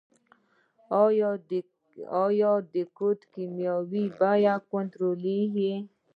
آیا د کود کیمیاوي بیه کنټرولیږي؟